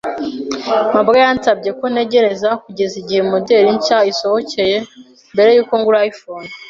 mabwa yansabye ko ntegereza kugeza igihe moderi nshya isohotse mbere yuko ngura iPhone.